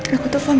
aku tuh mama deb